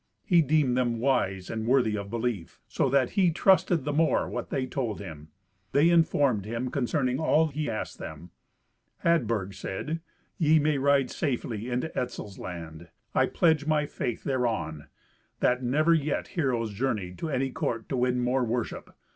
He deemed them wise and worthy of belief, so that he trusted the more what they told him. They informed him concerning all that he asked them. Hadburg said, "Ye may ride safely into Etzel's land; I pledge my faith thereon, that never yet heroes journeyed to any court to win more worship.